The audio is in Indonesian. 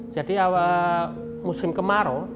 jadi awal musim kemarau